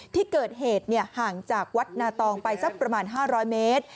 ที่เกิดเหตุห่างจากวัดนาตองไปสักประมาณ๕๐๐เมตร